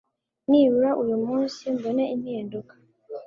Nibura uyu munsi mbone impinduka